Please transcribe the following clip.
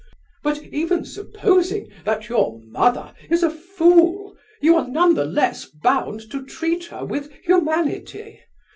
But even supposing that your mother is a fool, you are none the less, bound to treat her with humanity.